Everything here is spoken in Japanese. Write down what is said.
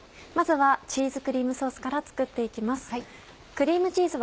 まずはチーズクリームソースから作って行きます。